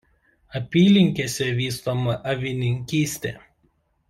Apylinkėse vystoma avininkystė.